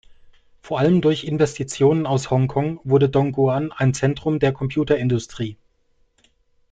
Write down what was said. Vor allem durch Investitionen aus Hongkong wurde Dongguan ein Zentrum der Computerindustrie.